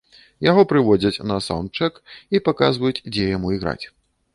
Яго прыводзяць на саўндчэк і паказваюць, дзе яму іграць.